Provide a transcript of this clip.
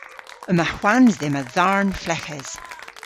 Yma hwans dhymm a dharn fleghes.